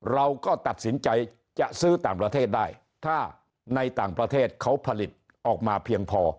เราก็ตัดสินใจจะซื้อต่างประเทศได้ถ้าในต่างประเทศเขาผลิตออกมาเพียงพอ